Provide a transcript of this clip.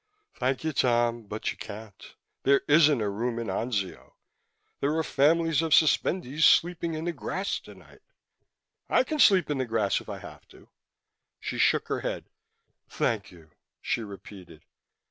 "Thank you, Tom, but you can't. There isn't a room in Anzio; there are families of suspendees sleeping in the grass tonight." "I can sleep in the grass if I have to." She shook her head. "Thank you," she repeated.